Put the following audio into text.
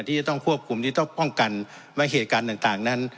ที่จะต้องควบคุมที่ต้องป้องกันไม่ให้เหตุการณ์ต่างนั้น